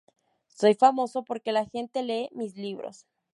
Soy famoso porque la gente lee mis libros.